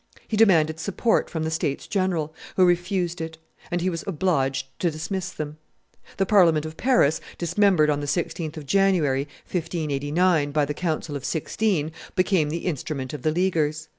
He demanded support from the states general, who refused it; and he was obliged to dismiss them. The Parliament of Paris, dismembered on the 16th of January, 1589, by the council of Sixteen, became the instrument of the Leaguers.